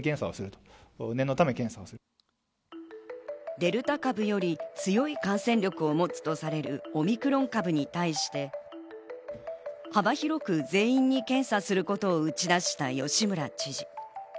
デルタ株より強い感染力を持つとされるオミクロン株に対して、幅広く全員に検査することを打ち出した吉村知事。